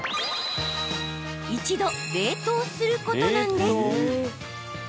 一度、冷凍することなんです。